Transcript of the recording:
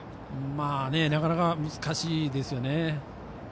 なかなか難しいですよね。